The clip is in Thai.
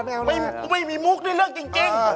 ไม่มีมุกนี่แล้วที่เอกจริง